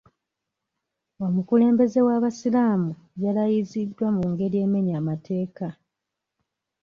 Omukulembeze w'abasiraamu yalayiziddwa mu ngeri emenya amateeka.